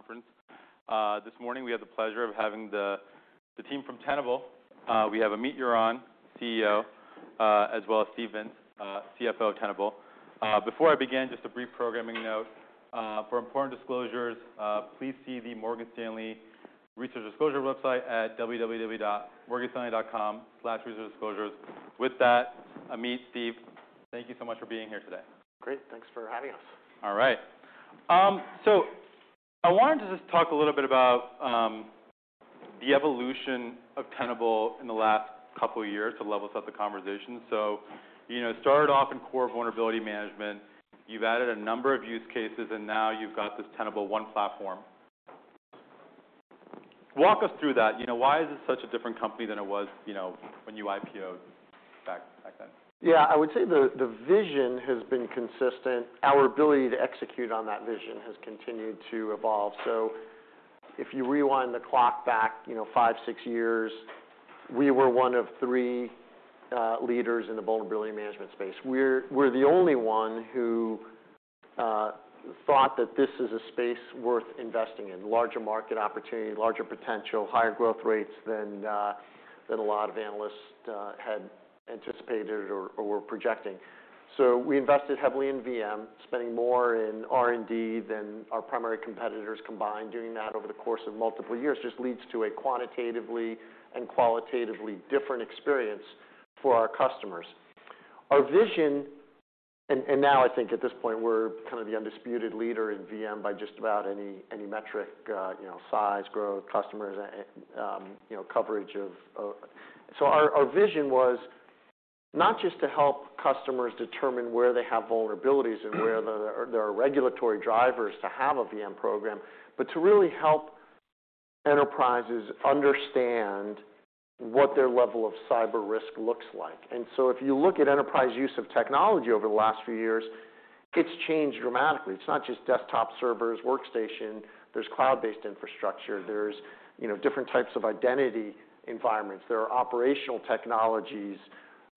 Conference. This morning we have the pleasure of having the team from Tenable. We have Amit Yoran, CEO, as well as Steve Vintz, CFO of Tenable. Before I begin, just a brief programming note. For important disclosures, please see the Morgan Stanley Research Disclosure website at www.morganstanley.com/researchdisclosures. With that, Amit, Steve, thank you so much for being here today. Great. Thanks for having us. All right. I wanted to just talk a little bit about the evolution of Tenable in the last couple of years to level set the conversation. You know, it started off in core vulnerability management. You've added a number of use cases, and now you've got this Tenable One platform. Walk us through that. You know, why is it such a different company than it was, you know, when you IPO-ed back then? Yeah. I would say the vision has been consistent. Our ability to execute on that vision has continued to evolve. If you rewind the clock back, you know, five, six years, we were one of three leaders in the vulnerability management space. We're the only one who thought that this is a space worth investing in, larger market opportunity, larger potential, higher growth rates than a lot of analysts had anticipated or were projecting. We invested heavily in VM, spending more in R&D than our primary competitors combined. Doing that over the course of multiple years just leads to a quantitatively and qualitatively different experience for our customers. Our vision... Now I think at this point, we're kind of the undisputed leader in VM by just about any metric, you know, size, growth, customers, you know, coverage of. Our vision was not just to help customers determine where they have vulnerabilities and where there are regulatory drivers to have a VM program, but to really help enterprises understand what their level of cyber risk looks like. If you look at enterprise use of technology over the last few years, it's changed dramatically. It's not just desktop servers, workstation. There's cloud-based infrastructure. There's different types of identity environments. There are operational technologies.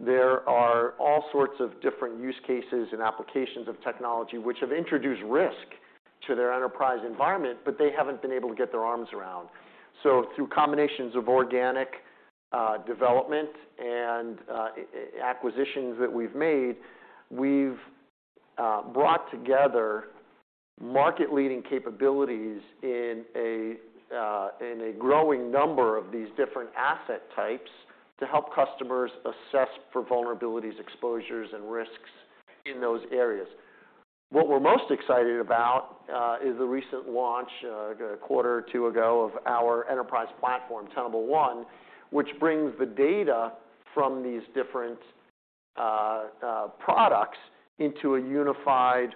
There are all sorts of different use cases and applications of technology which have introduced risk to their enterprise environment, but they haven't been able to get their arms around. Through combinations of organic development and acquisitions that we've made, we've brought together market-leading capabilities in a growing number of these different asset types to help customers assess for vulnerabilities, exposures, and risks in those areas. What we're most excited about is the recent launch a quarter or two ago of our enterprise platform, Tenable One, which brings the data from these different products into a unified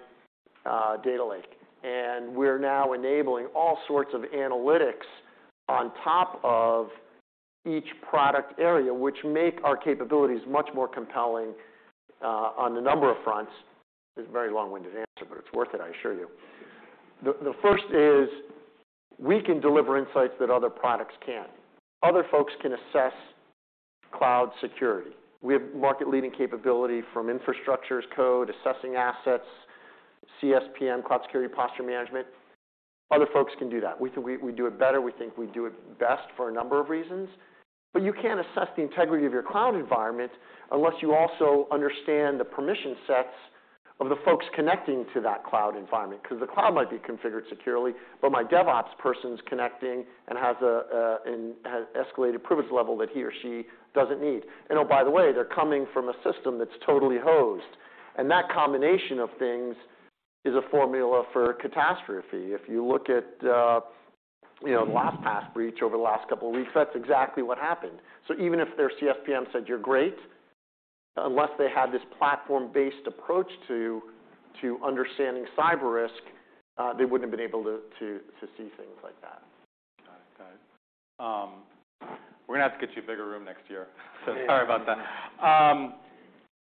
data lake. We're now enabling all sorts of analytics on top of each product area, which make our capabilities much more compelling on a number of fronts. This is a very long-winded answer, but it's worth it, I assure you. The first is we can deliver insights that other products can't. Other folks can assess cloud security. We have market-leading capability from infrastructure as code, assessing assets, CSPM, cloud security posture management. Other folks can do that. We think we do it better. We think we do it best for a number of reasons. You can't assess the integrity of your cloud environment unless you also understand the permission sets of the folks connecting to that cloud environment because the cloud might be configured securely, but my DevOps person's connecting and has an escalated privilege level that he or she doesn't need. Oh, by the way, they're coming from a system that's totally hosed. That combination of things is a formula for catastrophe. If you look at, you know, the LastPass breach over the last couple of weeks, that's exactly what happened. Even if their CSPM said you're great, unless they had this platform-based approach to understanding cyber risk, they wouldn't have been able to see things like that. Got it. We're gonna have to get you a bigger room next year. Sorry about that.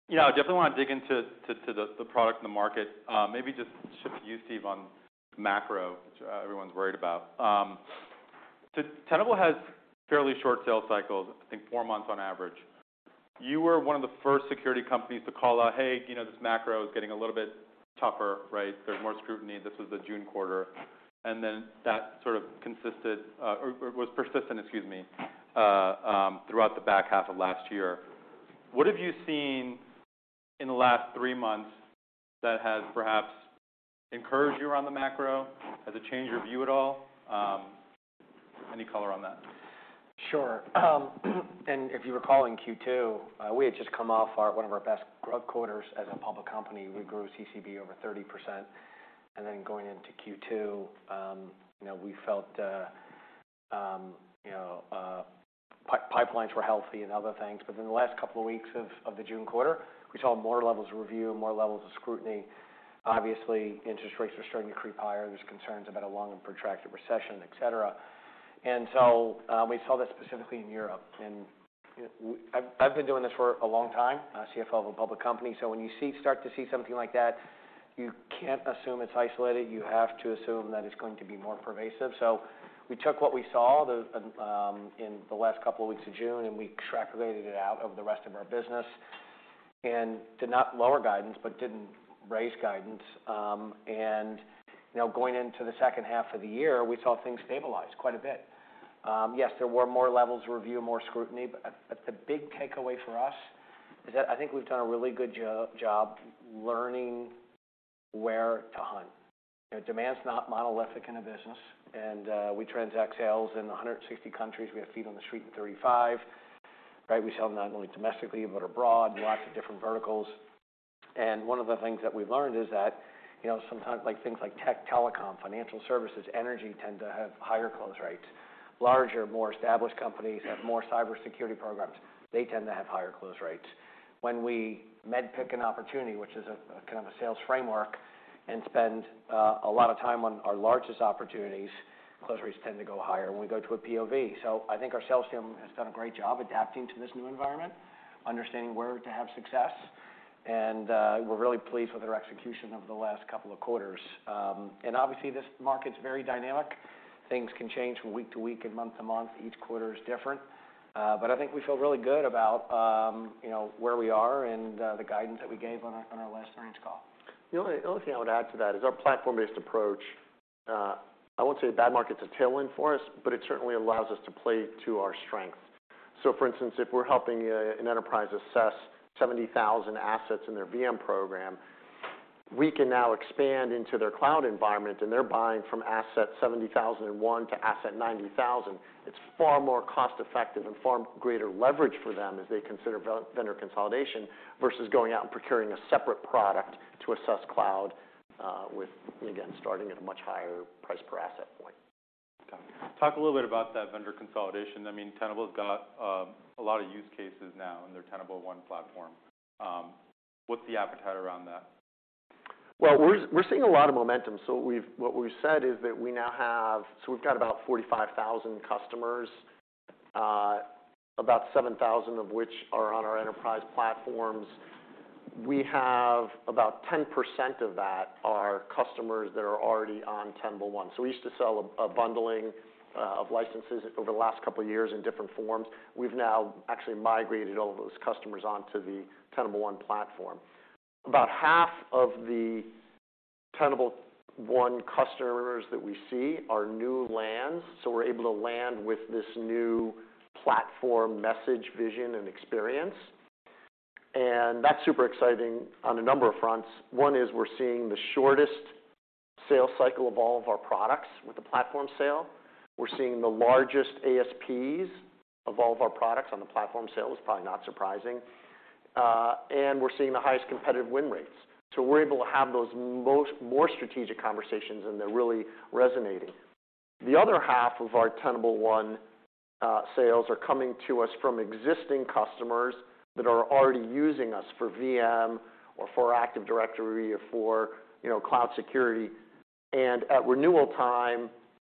Yeah, I definitely wanna dig into the product and the market. Maybe just shift to you, Steve, on macro, which everyone's worried about. Tenable has fairly short sales cycles, I think four months on average. You were one of the first security companies to call out, "Hey, you know, this macro is getting a little bit tougher," right? "There's more scrutiny." This was the June quarter. That sort of consisted, or was persistent, excuse me, throughout the H2 of last year. What have you seen in the last three months that has perhaps encouraged you around the macro? Has it changed your view at all? Any color on that? Sure. If you recall in Q2, we had just come off one of our best growth quarters as a public company. We grew CCB over 30%. Going into Q2, we felt pipelines were healthy and other things, but in the last couple of weeks of the June quarter, we saw more levels of review, more levels of scrutiny. Obviously, interest rates were starting to creep higher. There's concerns about a long and protracted recession, et cetera. We saw that specifically in Europe. You know, I've been doing this for a long time, CFO of a public company. When you start to see something like that, you can't assume it's isolated. You have to assume that it's going to be more pervasive. We took what we saw in the last couple of weeks of June, and we extrapolated it out over the rest of our business. Did not lower guidance, but didn't raise guidance. You know, going into the H2 of the year, we saw things stabilize quite a bit. Yes, there were more levels of review, more scrutiny, but the big takeaway for us is that I think we've done a really good job learning where to hunt. You know, demand's not monolithic in a business, and we transact sales in 160 countries. We have feet on the street in 35, right? We sell not only domestically, but abroad, in lots of different verticals. One of the things that we've learned is that, you know, sometimes like things like tech, telecom, financial services, energy tend to have higher close rates. Larger, more established companies have more cybersecurity programs. They tend to have higher close rates. When we MEDDPICC an opportunity, which is a kind of a sales framework, and spend a lot of time on our largest opportunities, close rates tend to go higher when we go to a POV. I think our sales team has done a great job adapting to this new environment, understanding where to have success, and we're really pleased with their execution over the last couple of quarters. Obviously this market's very dynamic. Things can change from week to week and month to month. Each quarter is different. I think we feel really good about where we are and the guidance that we gave on our last earnings call. The only thing I would add to that is our platform-based approach, I won't say a bad market's a tailwind for us, but it certainly allows us to play to our strength. For instance, if we're helping an enterprise assess 70,000 assets in their VM program, we can now expand into their cloud environment, and they're buying from asset 70,001 to asset 90,000. It's far more cost-effective and far greater leverage for them as they consider vendor consolidation versus going out and procuring a separate product to assess cloud, with, again, starting at a much higher price per asset point. Got it. Talk a little bit about that vendor consolidation. I mean, Tenable's got a lot of use cases now in their Tenable One platform. What's the appetite around that? Well, we're seeing a lot of momentum. What we've said is that we now have. We've got about 45,000 customers, about 7,000 of which are on our enterprise platforms. We have about 10% of that are customers that are already on Tenable One. We used to sell a bundling of licenses over the last couple of years in different forms. We've now actually migrated all those customers onto the Tenable One platform. About half of the Tenable One customers that we see are new lands, so we're able to land with this new platform message, vision, and experience. That's super exciting on a number of fronts. One is we're seeing the shortest sales cycle of all of our products with the platform sale. We're seeing the largest ASPs of all of our products on the platform sale. It's probably not surprising. We're seeing the highest competitive win rates. We're able to have those more strategic conversations, and they're really resonating. The other half of our Tenable One sales are coming to us from existing customers that are already using us for VM or for Active Directory or for, you know, cloud security. At renewal time,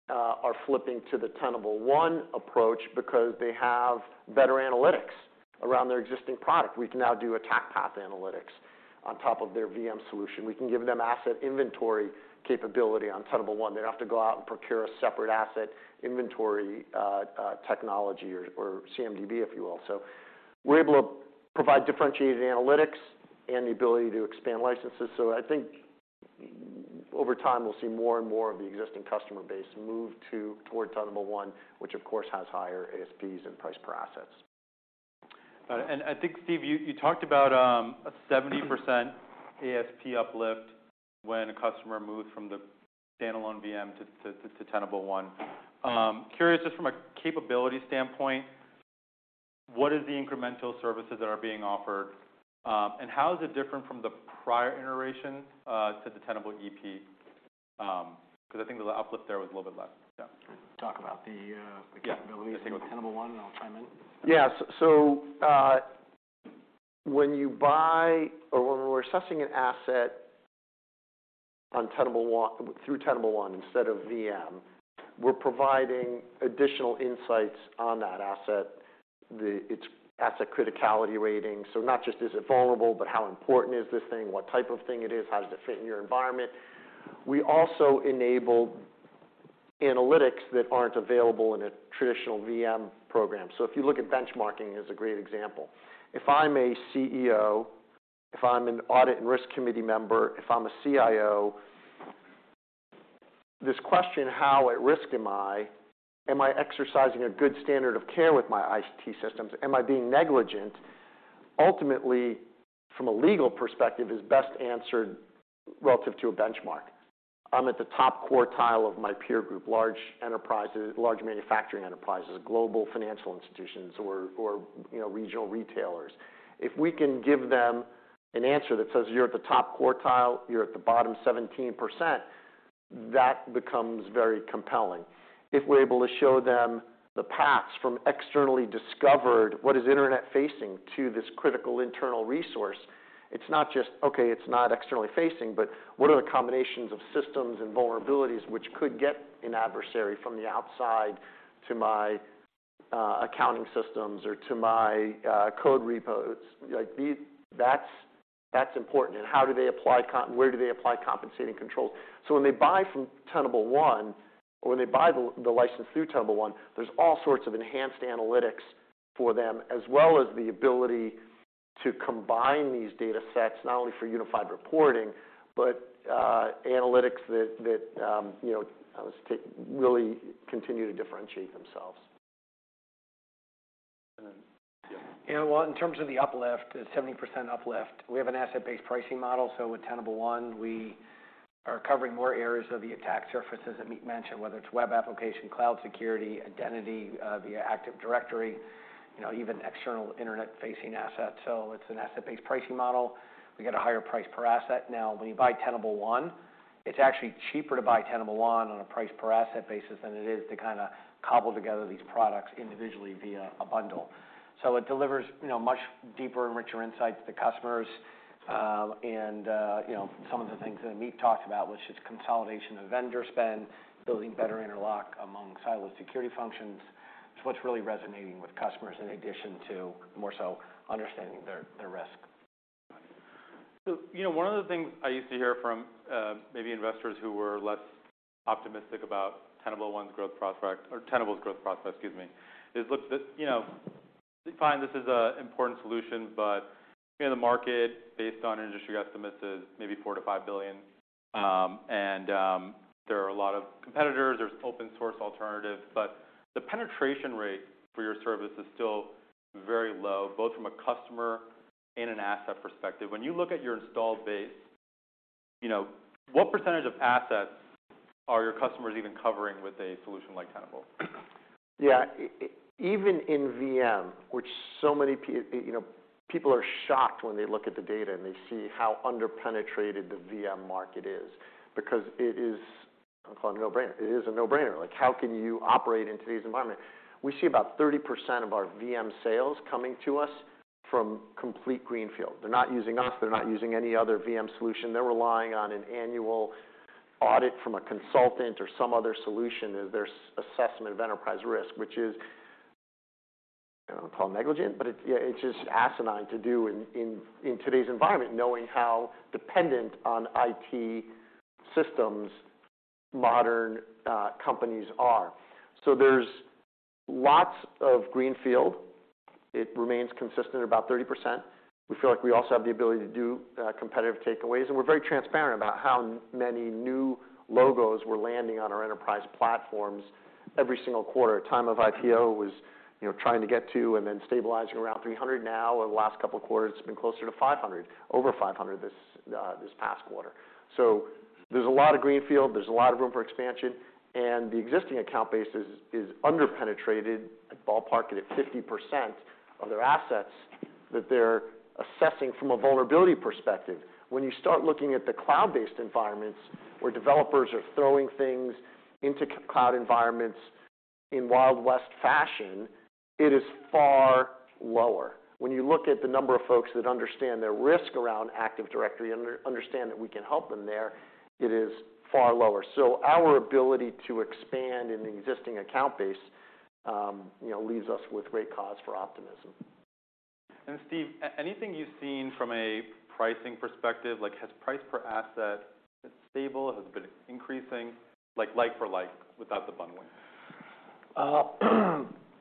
are flipping to the Tenable One approach because they have better analytics around their existing product. We can now do Attack Path analytics on top of their VM solution. We can give them asset inventory capability on Tenable One. They don't have to go out and procure a separate asset inventory technology or CMDB, if you will. We're able to provide differentiated analytics and the ability to expand licenses. I think over time, we'll see more and more of the existing customer base move towards Tenable One, which of course has higher ASPs and price per assets. I think, Steve, you talked about a 70% ASP uplift when a customer moved from the standalone VM to Tenable One. Curious just from a capability standpoint, what is the incremental services that are being offered, and how is it different from the prior iteration to the Tenable.ep? 'Cause I think the uplift there was a little bit less. Yeah. Do you wanna talk about the capabilities of Tenable One, and I'll chime in. Yeah. When you buy or when we're assessing an asset on Tenable One instead of VM, we're providing additional insights on that asset. Its Asset Criticality Rating. Not just is it vulnerable, but how important is this thing? What type of thing it is? How does it fit in your environment? We also enable analytics that aren't available in a traditional VM program. If you look at benchmarking as a great example. If I'm a CEO, if I'm an Audit and Risk Committee member, if I'm a CIO, this question, how at risk am I? Am I exercising a good standard of care with my IT systems? Am I being negligent? Ultimately, from a legal perspective, is best answered relative to a benchmark. I'm at the top quartile of my peer group, large enterprises, large manufacturing enterprises, global financial institutions or, you know, regional retailers. If we can give them an answer that says, "You're at the top quartile, you're at the bottom 17%," that becomes very compelling. If we're able to show them the paths from externally discovered, what is internet-facing to this critical internal resource, it's not just, okay, it's not externally facing, but what are the combinations of systems and vulnerabilities which could get an adversary from the outside to my accounting systems or to my code repos? Like, That's important. How do they apply compensating controls? When they buy from Tenable One, or when they buy the license through Tenable One, there's all sorts of enhanced analytics for them, as well as the ability to combine these data sets, not only for unified reporting, but, analytics that, you know, I would say, really continue to differentiate themselves. Well, in terms of the uplift, the 70% uplift, we have an asset-based pricing model. With Tenable One, we are covering more areas of the attack surface, as Amit mentioned, whether it's web application, cloud security, identity, via Active Directory, you know, even external internet-facing assets. It's an asset-based pricing model. We get a higher price per asset. Now, when you buy Tenable One, it's actually cheaper to buy Tenable One on a price per asset basis than it is to kinda cobble together these products individually via a bundle. It delivers much deeper and richer insights to customers, and, you know, some of the things that Amit talked about, which is consolidation of vendor spend, building better interlock among siloed security functions. It's what's really resonating with customers in addition to more so understanding their risk. You know, one of the things I used to hear from, maybe investors who were less optimistic about Tenable's growth prospect, excuse me, is, look, you know, we find this is an important solution, but, you know, the market based on industry estimates is maybe $4 billion-$5 billion, and, there are a lot of competitors, there's open source alternatives, but the penetration rate for your service is still very low, both from a customer and an asset perspective. When you look at your installed base, you know, what percentage of assets are your customers even covering with a solution like Tenable? Yeah. Even in VM, which so many you know, people are shocked when they look at the data and they see how under-penetrated the VM market is because it is, I'll call it a no-brainer. It is a no-brainer. Like, how can you operate in today's environment? We see about 30% of our VM sales coming to us from complete greenfield. They're not using us, they're not using any other VM solution. They're relying on an annual audit from a consultant or some other solution as their assessment of enterprise risk, which is, I don't wanna call it negligent, but it's just asinine to do in today's environment, knowing how dependent on IT systems modern companies are. There's lots of greenfield. It remains consistent at about 30%. We feel like we also have the ability to do competitive takeaways, and we're very transparent about how many new logos we're landing on our enterprise platforms every single quarter. At time of IPO was, you know, trying to get to and then stabilizing around 300 now. Over the last couple of quarters, it's been closer to 500. Over 500 this past quarter. There's a lot of greenfield, there's a lot of room for expansion, and the existing account base is under-penetrated. I'd ballpark it at 50% of their assets that they're assessing from a vulnerability perspective. When you start looking at the cloud-based environments where developers are throwing things into cloud environments in Wild West fashion, it is far lower. When you look at the number of folks that understand their risk around Active Directory and understand that we can help them there, it is far lower. Our ability to expand in the existing account base, you know, leaves us with great cause for optimism. Steve, anything you've seen from a pricing perspective? Like has price per asset been stable? Has it been increasing? Like-for-like, without the bundling.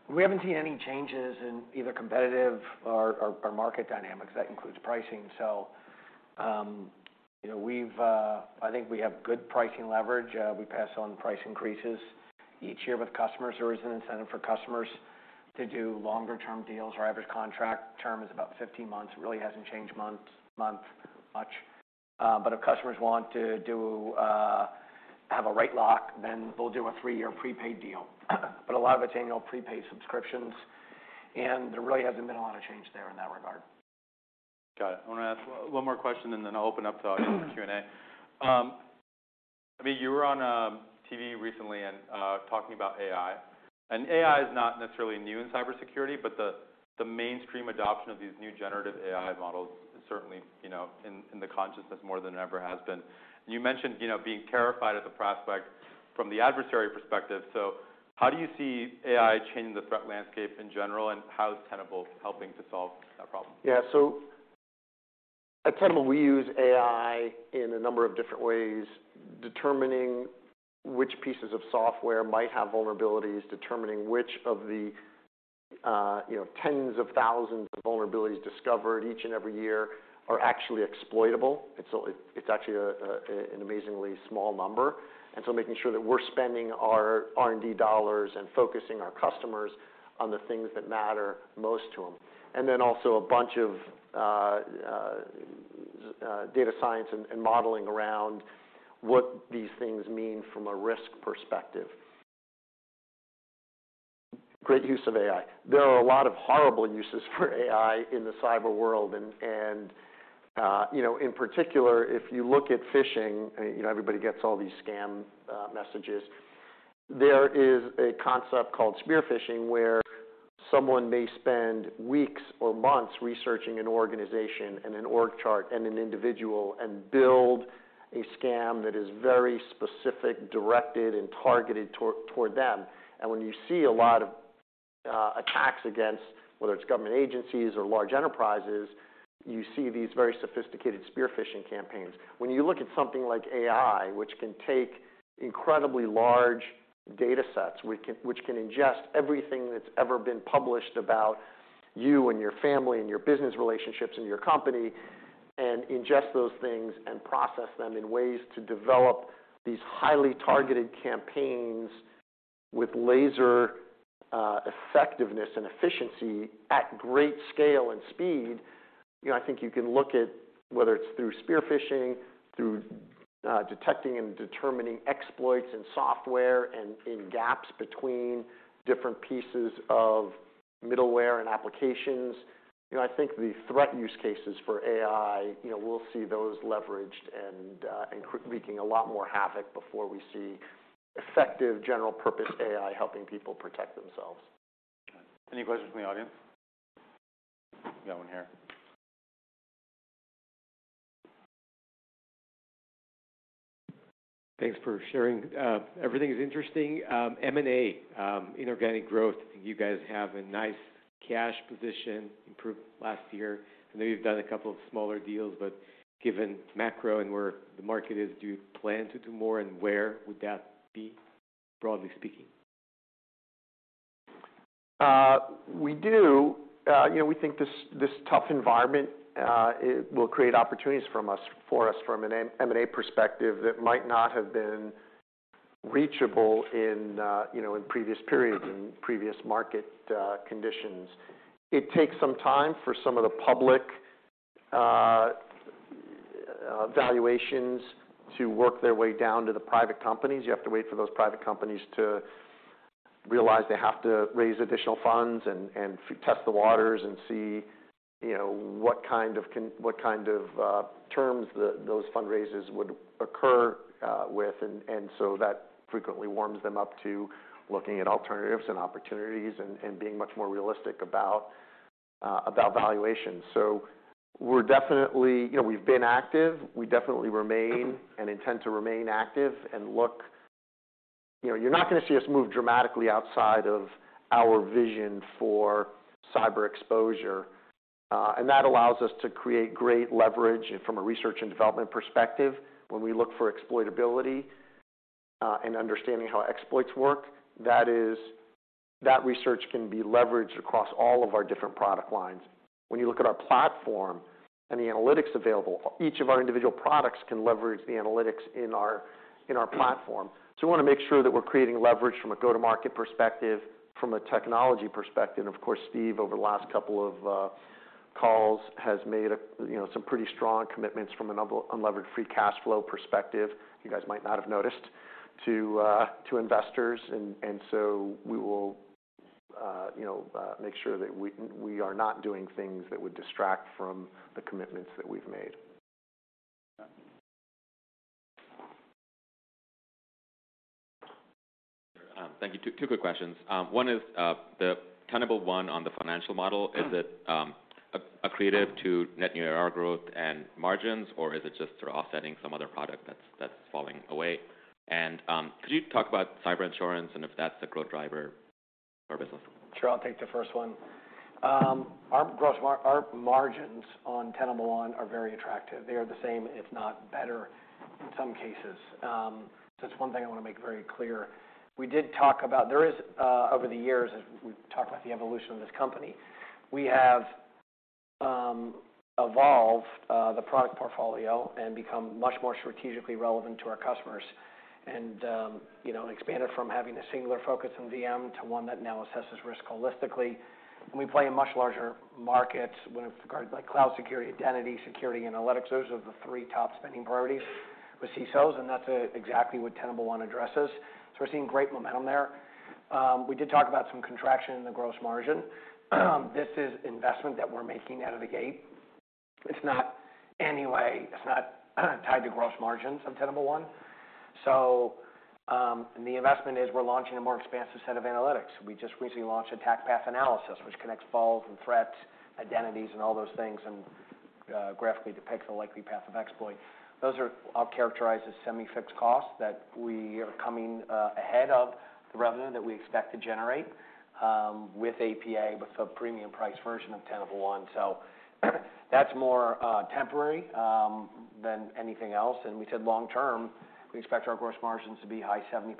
We haven't seen any changes in either competitive or market dynamics. That includes pricing. You know, I think we have good pricing leverage. We pass on price increases each year with customers. There is an incentive for customers to do longer-term deals. Our average contract term is about 15 months. It really hasn't changed month-month much. If customers want to do have a rate lock, then we'll do a three-year prepaid deal. A lot of it's annual prepaid subscriptions, and there really hasn't been a lot of change there in that regard. Got it. I wanna ask one more question and then I'll open up to audience Q&A. Amit Yoran, you were on TV recently and talking about AI, and AI is not necessarily new in cybersecurity, but the mainstream adoption of these new generative AI models is certainly, you know, in the consciousness more than it ever has been. You mentioned, you know, being terrified at the prospect from the adversary perspective. How do you see AI changing the threat landscape in general, and how is Tenable helping to solve that problem? So at Tenable, we use AI in a number of different ways, determining which pieces of software might have vulnerabilities, determining which of the tens of thousands of vulnerabilities discovered each and every year are actually exploitable. It's actually an amazingly small number. Making sure that we're spending our R&D dollars and focusing our customers on the things that matter most to them. Also a bunch of data science and modeling around what these things mean from a risk perspective. Great use of AI. There are a lot of horrible uses for AI in the cyber world and, you know, in particular, if you look at phishing, you know, everybody gets all these scam messages. There is a concept called spear phishing, where someone may spend weeks or months researching an organization and an org chart and an individual and build a scam that is very specific, directed, and targeted toward them. When you see a lot of attacks against whether it's government agencies or large enterprises, you see these very sophisticated spear phishing campaigns. When you look at something like AI, which can take incredibly large datasets, which can ingest everything that's ever been published about you and your family and your business relationships and your company, and ingest those things and process them in ways to develop these highly targeted campaigns with laser effectiveness and efficiency at great scale and speed. I think you can look at whether it's through spear phishing, through detecting and determining exploits in software and in gaps between different pieces of middleware and applications. You know, I think the threat use cases for AI, we'll see those leveraged and wreaking a lot more havoc before we see effective general purpose AI helping people protect themselves. Okay. Any questions from the audience? Got one here. Thanks for sharing. Everything is interesting. M&A, inorganic growth, you guys have a nice cash position improved last year. I know you've done a couple of smaller deals, but given macro and where the market is, do you plan to do more, and where would that be, broadly speaking? We do. We think this tough environment, it will create opportunities for us from an M&A perspective that might not have been reachable in previous periods, in previous market conditions. It takes some time for some of the public valuations to work their way down to the private companies. You have to wait for those private companies to realize they have to raise additional funds and test the waters and see, you know, what kind of terms those fundraisers would occur with. So that frequently warms them up to looking at alternatives and opportunities and being much more realistic about valuation. So we're definitely. We've been active. We definitely remain and intend to remain active and look... You're not gonna see us move dramatically outside of our vision for cyber exposure. That allows us to create great leverage from a research and development perspective when we look for exploitability, and understanding how exploits work. That research can be leveraged across all of our different product lines. When you look at our platform and the analytics available, each of our individual products can leverage the analytics in our platform. We wanna make sure that we're creating leverage from a go-to-market perspective, from a technology perspective. Of course, Steve, over the last couple of calls, has made some pretty strong commitments from an unlevered free cash flow perspective, you guys might not have noticed, to investors. We will make sure that we are not doing things that would distract from the commitments that we've made. Yeah. Thank you. Two quick questions. One is, the Tenable One on the financial model. Is it accretive to net new ARR growth and margins, or is it just sort of offsetting some other product that's falling away? Could you talk about cyber insurance and if that's the growth driver for business? Sure. I'll take the first one. Our gross margins on Tenable One are very attractive. They are the same, if not better in some cases. That's one thing I wanna make very clear. There is over the years as we've talked about the evolution of this company, we have evolved the product portfolio and become much more strategically relevant to our customers and, you know, expanded from having a singular focus on VM to one that now assesses risk holistically. We play a much larger market when it regards like cloud security, identity security, analytics. Those are the three top spending priorities with CSOs, and that's exactly what Tenable One addresses. We're seeing great momentum there. We did talk about some contraction in the gross margin. This is investment that we're making out of the gate. It's not in any way, it's not tied to gross margins of Tenable One. The investment is we're launching a more expansive set of analytics. We just recently launched Attack Path Analysis, which connects flaws and threats, identities and all those things, and graphically depicts the likely path of exploit. Those are all characterized as semi-fixed costs that we are coming ahead of the revenue that we expect to generate with APA, with the premium price version of Tenable One. That's more temporary than anything else. We said long term, we expect our gross margins to be high 70%,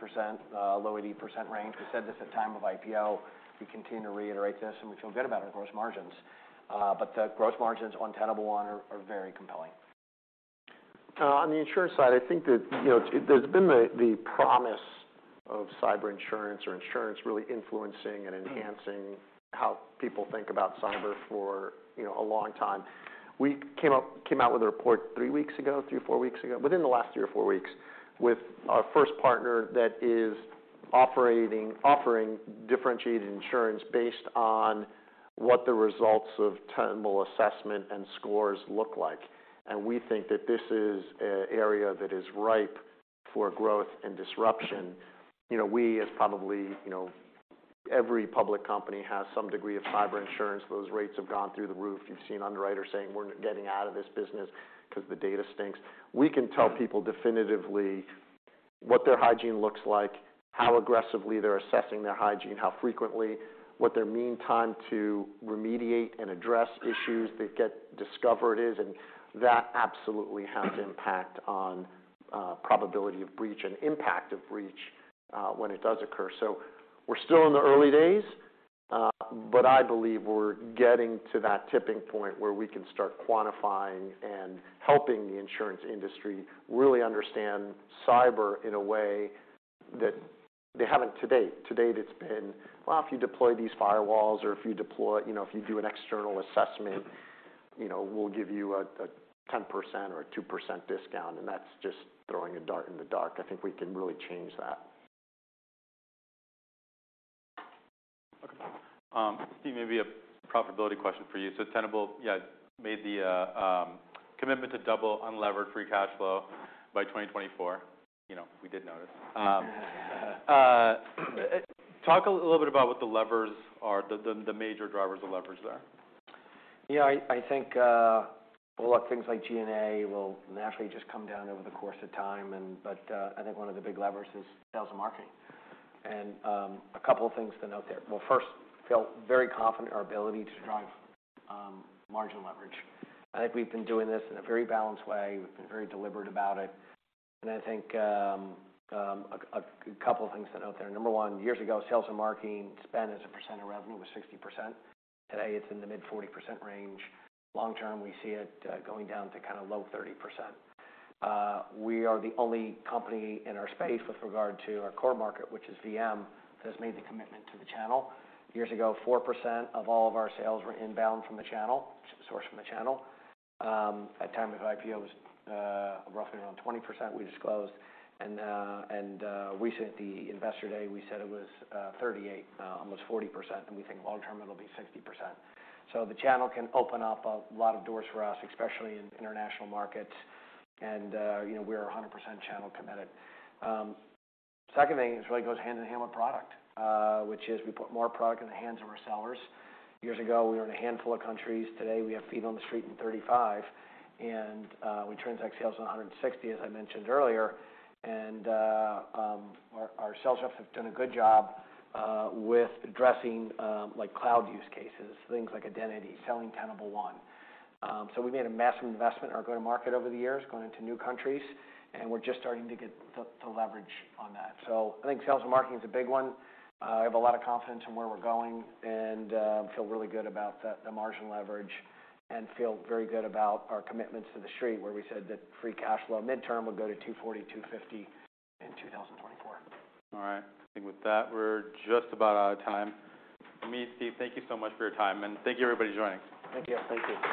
low 80% range. We said this at time of IPO. We continue to reiterate this, and we feel good about our gross margins. The gross margins on Tenable One are very compelling. On the insurance side, I think that, you know, there's been the promise of cyber insurance or insurance really influencing and enhancing how people think about cyber for, you know, a long time. We came out with a report three weeks ago, three or four weeks ago, within the last three or four weeks, with our first partner that is offering differentiated insurance based on what the results of Tenable assessment and scores look like. We think that this is an area that is ripe for growth and disruption. You know, we, as probably, you know, every public company has some degree of cyber insurance. Those rates have gone through the roof. You've seen underwriters saying, "We're getting out of this business 'cause the data stinks." We can tell people definitively what their hygiene looks like, how aggressively they're assessing their hygiene, how frequently, what their mean time to remediate and address issues that get discovered is, and that absolutely has impact on probability of breach and impact of breach when it does occur. We're still in the early days, but I believe we're getting to that tipping point where we can start quantifying and helping the insurance industry really understand cyber in a way that they haven't to date. To date, it's been, "Well, if you deploy these firewalls or if you deploy, you know, if you do an external assessment, you know, we'll give you a 10% or a 2% discount," and that's just throwing a dart in the dark. I think we can really change that. Steve, maybe a profitability question for you. Tenable made the commitment to double unlevered free cash flow by 2024. You know, we did notice. Talk a little bit about what the levers are, the major drivers of levers there. I think a lot of things like G&A will naturally just come down over the course of time but I think one of the big levers is sales and marketing. A couple of things to note there. First, feel very confident in our ability to drive margin leverage. I think we've been doing this in a very balanced way. We've been very deliberate about it. I think a couple things to note there. Number one, years ago, sales and marketing spend as a percent of revenue was 60%. Today, it's in the mid-40% range. Long term, we see it going down to kind of low-30%. We are the only company in our space with regard to our core market, which is VM, that has made the commitment to the channel. Years ago, 4% of all of our sales were inbound from the channel, sourced from the channel. At time of IPO, it was roughly around 20% we disclosed. Recently at the Investor Day, we said it was 38%, almost 40%, and we think long term it'll be 60%. The channel can open up a lot of doors for us, especially in international markets, and, you know, we're 100% channel committed. Second thing, this really goes hand-in-hand with product, which is we put more product in the hands of our sellers. Years ago, we were in a handful of countries. Today, we have feet on the street in 35. We transact sales in 160, as I mentioned earlier. Our sales reps have done a good job with addressing like cloud use cases, things like identity, selling Tenable One. We made a massive investment in our go-to-market over the years, going into new countries, and we're just starting to get the leverage on that. I think sales and marketing is a big one. I have a lot of confidence in where we're going and feel really good about the margin leverage and feel very good about our commitments to the street, where we said that free cash flow midterm would go to $240 million-$250 million in 2024. All right. I think with that, we're just about out of time. Amit, Steve, thank you so much for your time, and thank you everybody for joining. Thank you. Thank you.